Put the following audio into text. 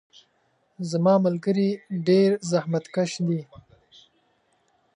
زما ملګري ډیر زحمت کش دي.